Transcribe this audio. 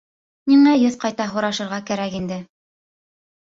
- Ниңә йөҙ ҡайта һорашырға кәрәк инде?